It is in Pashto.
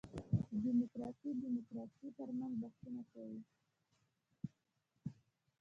دیموکراسي دیموکراسي تر منځ بحثونه شوي.